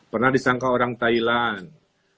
pernah disangka orang thailand